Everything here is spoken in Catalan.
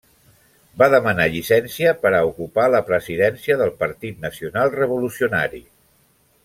Va demanar llicència per a ocupar la presidència del Partit Nacional Revolucionari.